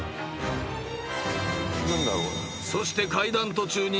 ［そして階段途中に］